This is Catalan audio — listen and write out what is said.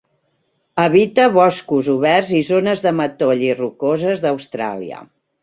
Habita boscos oberts i zones de matoll i rocoses d'Austràlia.